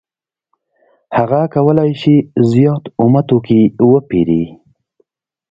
هغه کولای شي زیات اومه توکي وپېري